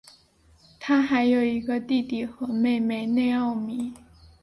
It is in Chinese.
他还有一个弟弟和妹妹内奥米。